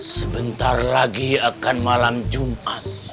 sebentar lagi akan malam jumat